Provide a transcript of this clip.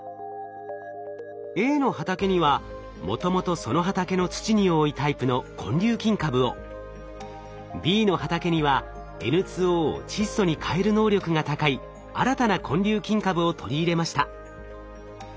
Ａの畑にはもともとその畑の土に多いタイプの根粒菌株をＢの畑にはＮＯを窒素に変える能力が高い新たな根粒菌株を取り入れました。